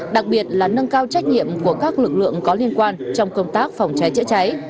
đặc biệt là nâng cao trách nhiệm của các lực lượng có liên quan trong công tác phòng cháy chữa cháy